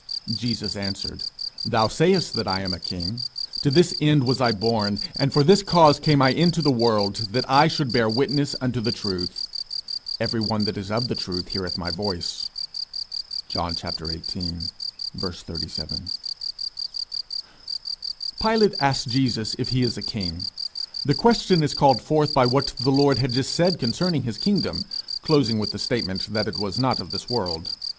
Jesus answered, Thou sayest that I am a king! To this end was I born, and for this cause came I into the world, that I should bear witness unto the truth: every one that is of the truth heareth my voice._ John xviii. 37. Pilate asks Jesus if he is a king. The question is called forth by what the Lord had just said concerning his kingdom, closing with the statement that it was not of this world.